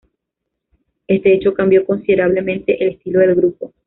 Este hecho cambió considerablemente el estilo del grupo.